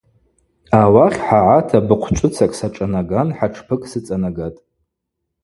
Ауахь хӏагӏата быхъвчӏвыцакӏ сашӏанаган хӏатшпыкӏ сыцӏанагатӏ.